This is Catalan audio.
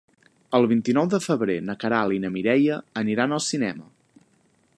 El vint-i-nou de febrer na Queralt i na Mireia aniran al cinema.